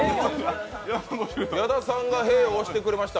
矢田さんがへぇを押してくれました。